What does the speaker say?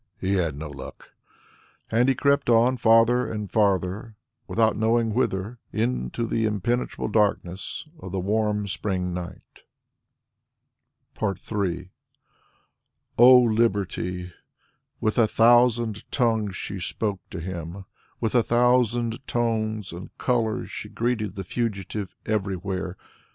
"He had no luck." And he crept on farther and farther, without knowing whither, into the impenetrable darkness of the warm spring night. III O Liberty! With a thousand tongues she spoke to him, with a thousand tones and colours she greeted the fugitive everywhere.